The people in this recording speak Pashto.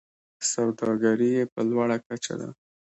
سوداګري یې په لوړه کچه ده.